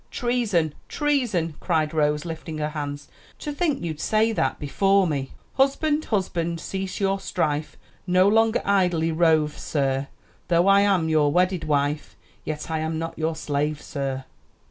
"Treason! treason!" cried Rose, lifting her hands; "to think you'd say that before me! "'Husband, husband, cease your strife No longer idly rove, sir; Tho' I am your wedded wife, Yet I am not your slave, sir.'"